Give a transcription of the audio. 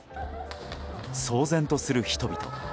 騒然とする人々。